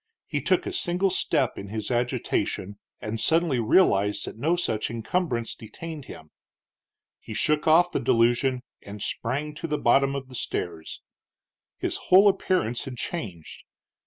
He took a single step in his agitation, and suddenly realized that no such encumbrance detained him. He shook off the delusion and sprang to the bottom of the stairs. His whole appearance had changed.